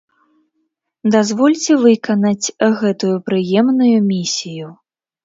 Дазвольце выканаць гэтую прыемную місію.